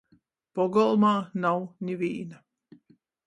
Pogolmā nav nivīna.